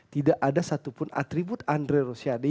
tidak ada satupun atribut andre rosiade